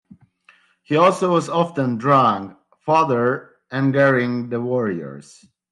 He also was often drunk, further angering the warriors.